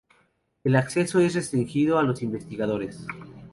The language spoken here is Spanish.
El acceso es restringidos a los investigadores.